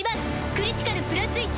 クリティカルプラス１！